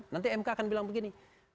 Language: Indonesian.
nanti mk akan bilang begini